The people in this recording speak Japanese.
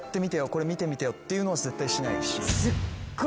これ見てみてよっていうのは絶対しないし。